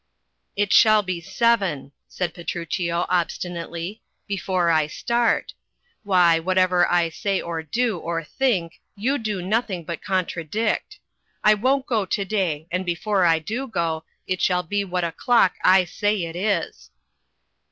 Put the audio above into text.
"It shall be seven," said Petruchio, obstinately, "before I start. Why, whatever I say or do, or think, you do nothing but contra dict. I won't go to day, and before I do go, it shall be what o'clock I say it is."